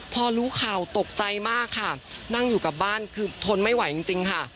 พอรู้ข่าวตกใจมากค่ะนั่งอยู่กับบ้านคือทนไม่ไหวจริงค่ะ